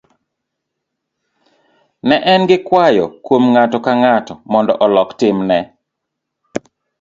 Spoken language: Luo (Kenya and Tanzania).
ne en gi kwayo kuom ng'ato ka ng'ato mondo olok timne